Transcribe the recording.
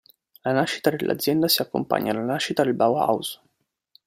La nascita dell'azienda si accompagna alla nascita del Bauhaus.